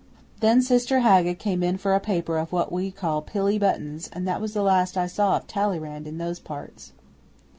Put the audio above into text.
'Then Sister Haga came in for a paper of what we call "pilly buttons," and that was the last I saw of Talleyrand in those parts.